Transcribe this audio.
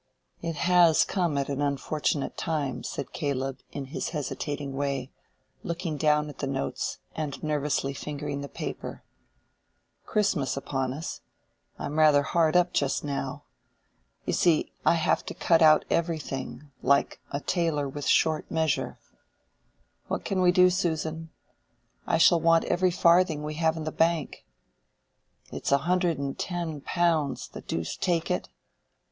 "It has come at an unfortunate time," said Caleb, in his hesitating way, looking down at the notes and nervously fingering the paper, "Christmas upon us—I'm rather hard up just now. You see, I have to cut out everything like a tailor with short measure. What can we do, Susan? I shall want every farthing we have in the bank. It's a hundred and ten pounds, the deuce take it!"